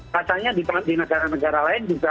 katanya di negara negara lain juga